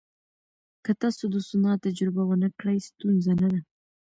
که تاسو د سونا تجربه ونه کړئ، ستونزه نه ده.